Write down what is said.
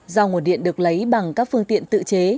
do nguồn điện được lấy bằng các phương tiện tự chế